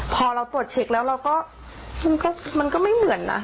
พอเราตรวจเช็คแล้วเราก็มันก็ไม่เหมือนนะ